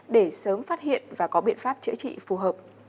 để sớm phát hiện và có biện pháp chữa trị phù hợp